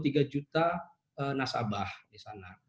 sekitar dua puluh tiga juta nasabah disana